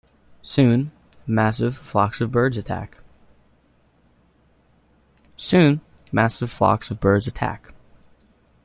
Soon, massive flocks of birds attack.